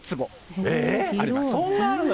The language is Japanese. そんなあるの？